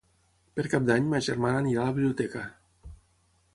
Per Cap d'Any ma germana anirà a la biblioteca.